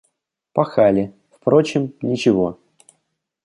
Пахали, впрочем, ничего.